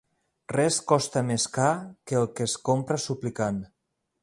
Res costa més car que el que es compra suplicant.